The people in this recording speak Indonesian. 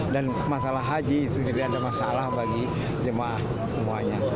dan masalah haji itu tidak ada masalah bagi jemaah semuanya